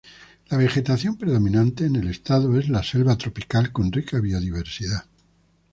La vegetación predominante en el estado es la selva tropical con rica biodiversidad.